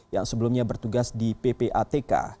yang sebelumnya bertugas di ppatk